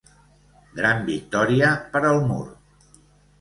Gran victòria per al mur.